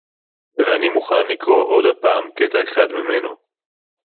ואני מוכן לקרוא עוד הפעם קטע אחד ממנו